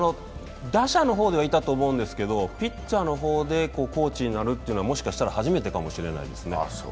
打者の方ではいたと思うんですけど、ピッチャーの方でコーチになるというのは、もしかしたら初めてかもしれないです。